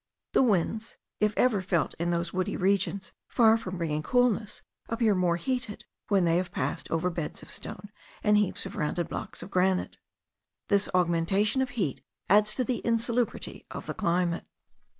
The winds, if ever felt in those woody regions, far from bringing coolness, appear more heated when they have passed over beds of stone, and heaps of rounded blocks of granite. This augmentation of heat adds to the insalubrity of the climate.